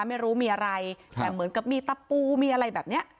ไม่รู้มีอะไรแต่เหมือนกับมีตะปูมีอะไรแบบเนี้ย